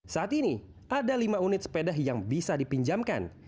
saat ini ada lima unit sepeda yang bisa dipinjamkan